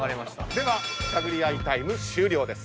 では探り合いタイム終了です。